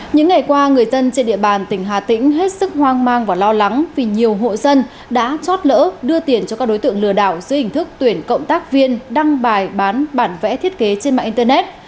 những ngày qua người dân trên địa bàn tỉnh hà tĩnh hết sức hoang mang và lo lắng vì nhiều hộ dân đã chót lỡ đưa tiền cho các đối tượng lừa đảo dưới hình thức tuyển cộng tác viên đăng bài bán bản vẽ thiết kế trên mạng internet